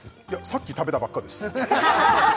さっき食べたばっかです